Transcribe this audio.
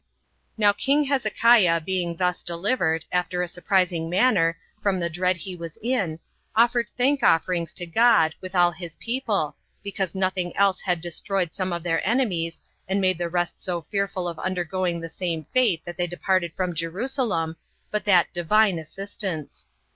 1. Now king Hezekiah being thus delivered, after a surprising manner, from the dread he was in, offered thank offerings to God, with all his people, because nothing else had destroyed some of their enemies, and made the rest so fearful of undergoing the same fate that they departed from Jerusalem, but that Divine assistance.